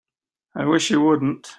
I wish you wouldn't.